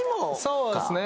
そうですね。